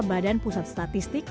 berdasarkan data badan pusat statistik